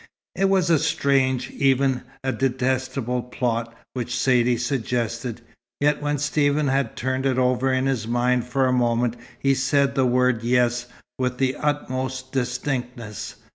It was a strange, even a detestable plot, which Saidee suggested; yet when Stephen had turned it over in his mind for a moment he said the word "yes" with the utmost distinctness.